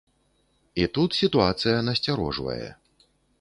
І тут сітуацыя насцярожвае.